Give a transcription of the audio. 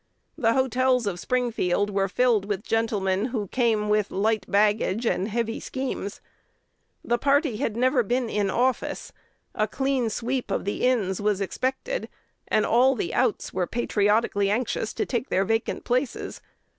The hotels of Springfield were filled with gentlemen who came with, light baggage and heavy schemes. The party had never been in office: a "clean sweep" of the "ins" was expected; and all the "outs" were patriotically anxious to take the vacant places.